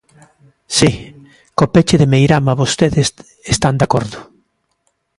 Si, co peche de Meirama vostedes están de acordo.